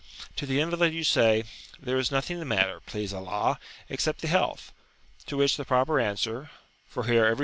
To the invalid you say, "There is nothing the matter, please Allah, except the health;" to which the proper answer for here every [p.